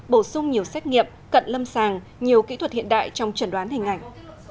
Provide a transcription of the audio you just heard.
bổ sung nhiều xét nghiệm cận lâm sàng nhiều kỹ thuật hiện đại trong trần đoán hình ảnh